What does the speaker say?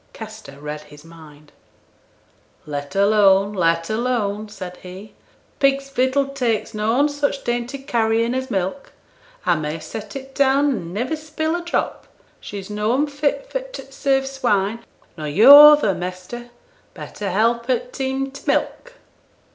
Kester read his mind. 'Let alone, let alone,' said he; 'pigs' vittle takes noan such dainty carryin' as milk. A may set it down an' niver spill a drop; she's noan fit for t' serve swine, nor yo' other, mester; better help her t' teem t' milk.'